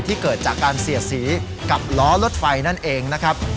เกิดจากการเสียดสีกับล้อรถไฟนั่นเองนะครับ